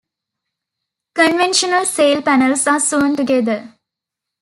Conventional sail panels are sewn together.